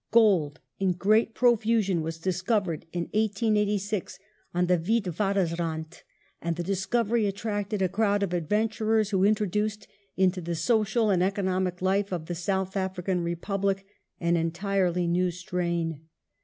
Gold in great profusion was discovered Gold in in 1886 on the Witwatersrand, and the discovery attracted a crowd ^^^^^^_ of adventurers who introduced into the social and economic life of vaal the South African Republic an entirely new strain.